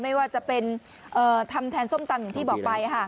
ไม่ว่าจะเป็นทำแทนส้มตำอย่างที่บอกไป